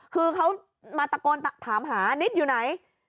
คือเขามาตะโกนถามหานิดอยู่ไหน